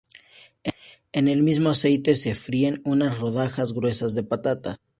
En el mismo aceite se fríen unas rodajas gruesas de patatas.